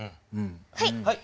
はい。